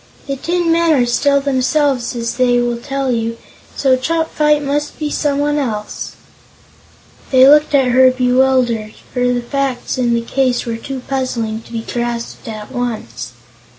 "The tin men are still themselves, as they will tell you, and so Chopfyt must be someone else." They looked at her bewildered, for the facts in the case were too puzzling to be grasped at once.